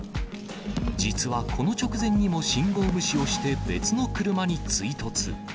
実はこの直前にも信号無視をして別の車に追突。